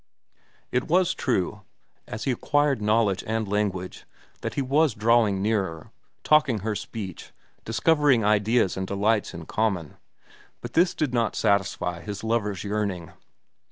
It was true, as he acquired knowledge and language, that he was drawing nearer, talking her speech, discovering ideas and delights in common; but this did not satisfy his lover's yearning.